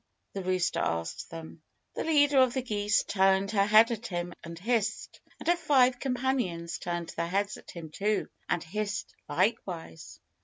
the rooster asked them. The leader of the geese turned her head at him and hissed. And her five companions turned their heads at him too, and hissed likewise.